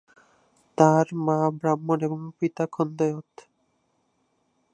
তার মা ব্রাহ্মণ এবং পিতা খন্দায়ত।